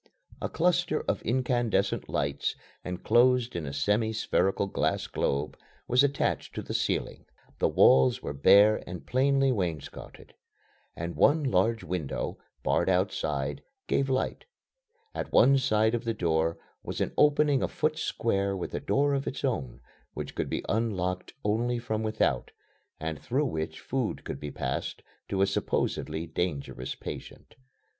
A cluster of incandescent lights, enclosed in a semi spherical glass globe, was attached to the ceiling. The walls were bare and plainly wainscotted, and one large window, barred outside, gave light. At one side of the door was an opening a foot square with a door of its own which could be unlocked only from without, and through which food could be passed to a supposedly dangerous patient.